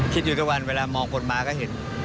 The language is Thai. คิดอยู่เต็มวันเวลามองคนมาก็เห็น